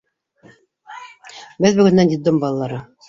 Беҙ бөгөндән — детдом балалары.